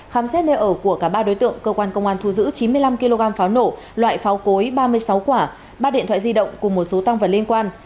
khám xét nơi ở của cả ba đối tượng cơ quan công an thu giữ chín mươi năm kg pháo nổ loại pháo cối ba mươi sáu quả ba điện thoại di động cùng một số tăng vật liên quan